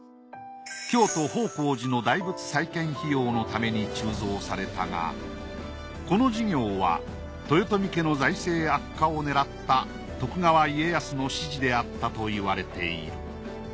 京都方広寺の大仏再建費用のために鋳造されたがこの事業は豊臣家の財政悪化を狙った徳川家康の指示であったといわれている。